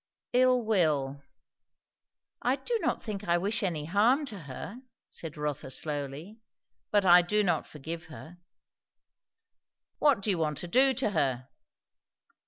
"Ill will I do not think I wish any harm to her," said Rotha slowly; "but I do not forgive her." "What do you want to do to her?"